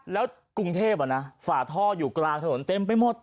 แล้วกรุงเทพฝาท่ออยู่กลางถนนเต็มไปหมด